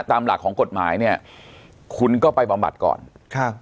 ตามหลักของกฎหมายเนี่ยคุณก็ไปบำบัดก่อนครับ